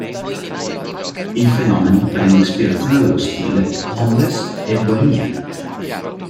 Il fenomeno prende ispirazione dallo stile homeless e bohémien.